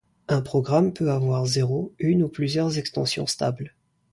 Un programme peut avoir zéro, une ou plusieurs extensions stables.